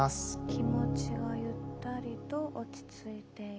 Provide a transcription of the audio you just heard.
「気持ちがゆったりと落ち着いている」。